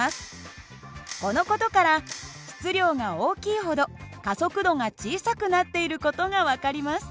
この事から質量が大きいほど加速度が小さくなっている事が分かります。